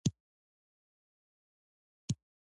ستاسو ډائل کړې شمېره مصروفه ده، لږ وروسته کوشش وکړئ